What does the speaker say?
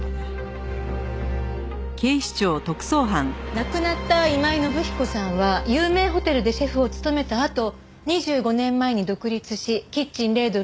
亡くなった今井信彦さんは有名ホテルでシェフを務めたあと２５年前に独立しキッチン・レードルを開業。